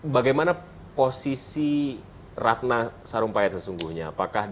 bagaimana posisi ratna sarumpayat sesungguhnya